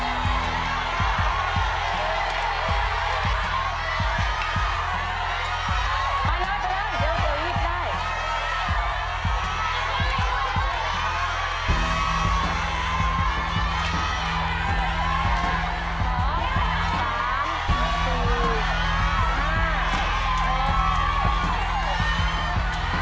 เร็วเข้ารีบไหล